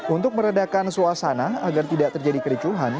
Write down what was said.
untuk meredakan suasana agar tidak terjadi kericuhan